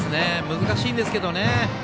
難しいんですけどね。